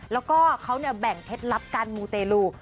แล้วก็เขาแบ่งเคล็ดลับการมูเตลู